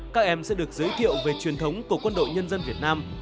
các em sẽ được giới thiệu về truyền thống của quân đội nhân dân việt nam